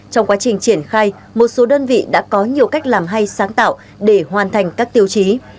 trong quá trình triển khai một số đơn vị đã có nhiều cách làm hay sáng tạo để hoàn thành các tiêu chí